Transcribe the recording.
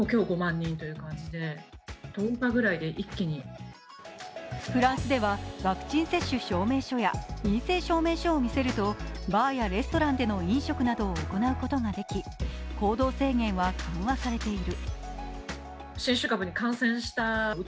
しかしフランスではワクチン接種証明書や陰性証明書を見せるとバーやレストランでの飲食などを行うことができ、行動制限は緩和されている。